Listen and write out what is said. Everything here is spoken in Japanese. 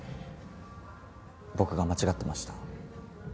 僕が間違ってました。